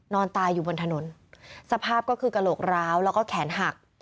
นอนตายอยู่บนถนนสภาพก็คือกระโหลกร้าวแล้วก็แขนหัก